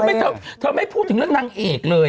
เธอเธอไม่พูดถึงเรื่องนางเอกเลย